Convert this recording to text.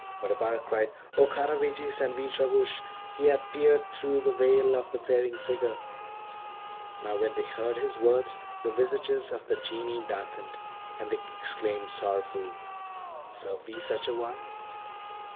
But Abarak cried, 'O Karavejis and Veejravoosh! he bath peered through the veil of the Ferrying Figure.' Now, when they heard his words, the visages of the Genii darkened, and they exclaimed sorrowfully, 'Serve we such a one?'